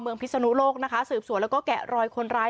พิศนุโลกนะคะสืบสวนแล้วก็แกะรอยคนร้าย